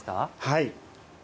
はい。